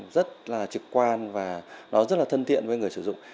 rất là trực quan và nó rất là thân thiện với người sử dụng